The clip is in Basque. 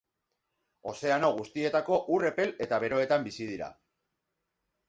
Ozeano guztietako ur epel eta beroetan bizi dira.